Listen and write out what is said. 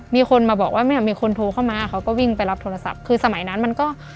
มีคนมาบอกว่าเนี่ยมีคนโทรเข้ามาเขาก็วิ่งไปรับโทรศัพท์คือสมัยนั้นมันก็